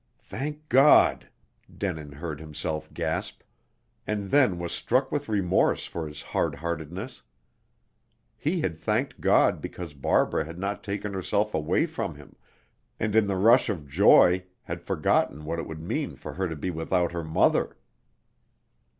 "Thank God!" Denin heard himself gasp, and then was struck with remorse for his hard heartedness. He had thanked God because Barbara had not taken herself away from him, and in the rush of joy had forgotten what it would mean for her to be without her mother.